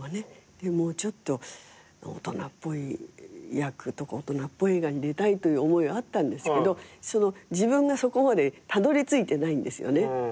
でもうちょっと大人っぽい役とか大人っぽい映画に出たいという思いはあったんですけど自分がそこまでたどりついてないんですよね。